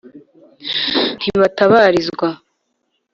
Ntibatabalizwa